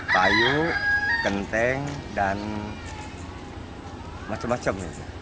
kayu kenteng dan macam macam